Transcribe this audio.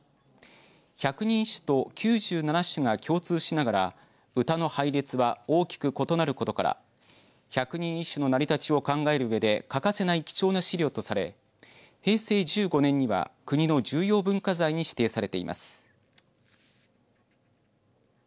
百人一首と９７首が共通しながら歌の配列は大きく異なることから百人一首の成り立ちを考えるうえで欠かせない貴重な資料とされ平成１５年には国の重要文化財に指定されています。